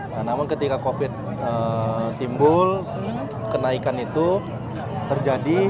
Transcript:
nah namun ketika covid timbul kenaikan itu terjadi